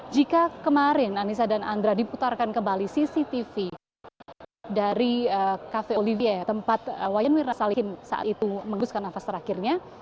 jika kemarin anissa dan andra diputarkan kembali cctv dari cafe olivier tempat wayan mirna salihin saat itu mengheuskan nafas terakhirnya